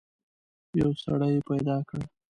یو سړی پیدا کړ.